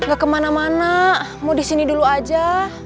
gak kemana mana mau disini dulu aja